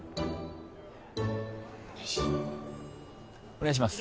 お願いします。